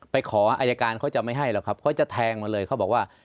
ไปขออายการเขาจะไม่ให้หรอกครับเขาจะแทงมาเลยเขาบอกว่า